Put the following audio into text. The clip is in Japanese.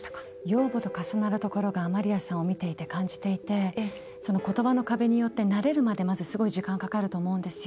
養母と重なるところがマリアさんを見ていて感じていてことばの壁によって慣れるまですごい時間がかかると思うんです。